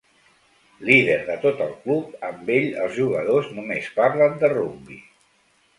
Líder de tot el club, amb ell, els jugadors només parlen de rugbi.